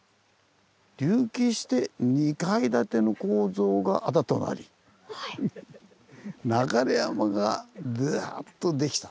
隆起して２階建ての構造があだとなり流れ山がダーッとできた。